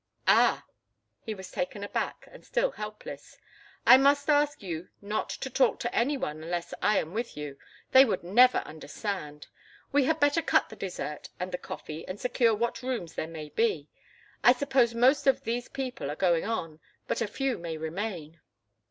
"Ah!" He was taken aback, and still helpless. "I must ask you not to talk to any one unless I am with you. They would never understand it. We had better cut the dessert and the coffee and secure what rooms there may be. I suppose most of these people are going on, but a few may remain."